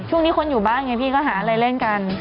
ช่วงนี้คนอยู่บ้านไงพี่ก็หาอะไรเล่นกัน